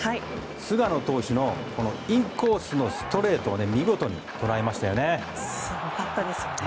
菅野投手のインコースのストレートを見事に捉えましたよね。